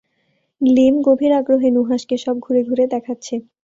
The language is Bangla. লীম গভীর আগ্রহে নুহাশকে সব ঘুরে ঘুরে দেখাচ্ছে।